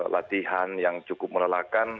latihan yang cukup melelakan